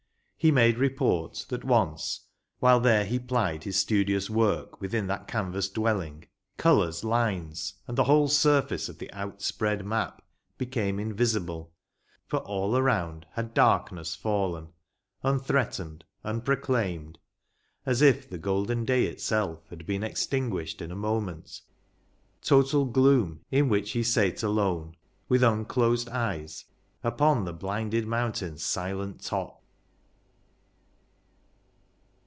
He made report That once, while there he plied his studious work Within that canvass Dwelling, colours, lines, And the whole surface of the out spread map, Became invisible : for all around Had darkness fallen— unthreatened, unproclaiiued As if the golden day itself had been Extinguished in a moment ; total gloom, In which he sate alone, with unclosed eyes, Upon the blinded mountain's silent top